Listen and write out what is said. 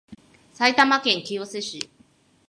埼玉県清瀬市